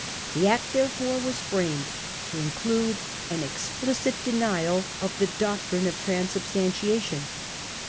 The Act therefore was framed to include an explicit denial of the doctrine of Transubstantiation.